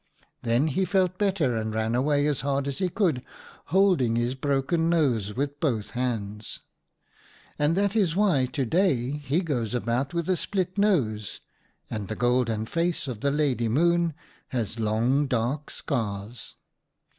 " Then he felt better and ran away as hard as he could, holding his broken nose with both hands. "And that is why to day he goes about with a split nose, and the golden face of the Lady Moon has long dark scars.